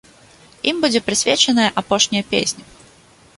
Ім будзе прысвечаная апошняя песня.